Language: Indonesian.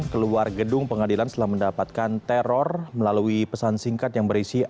keluar gedung pengadilan setelah mendapatkan teror melalui pesan singkat yang berisi